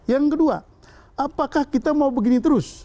yang kedua apakah kita mau begini terus